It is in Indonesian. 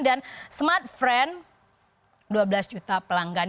dan smart friend dua belas juta pelanggan